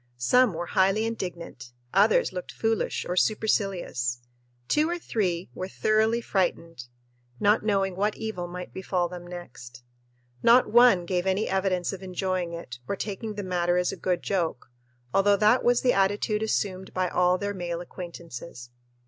Some were highly indignant, others looked foolish or supercilious, two or three were thoroughly frightened, not knowing what evil might befall them next. Not one gave any evidence of enjoying it or taking the matter as a good joke, although that was the attitude assumed by all their male acquaintances.